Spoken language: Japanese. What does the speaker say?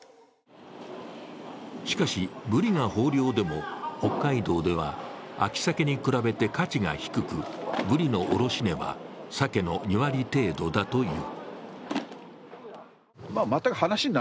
しかし、ブリが豊漁でも北海道では秋鮭に比べて価値が低く、ブリの卸値は鮭の２割程度だという。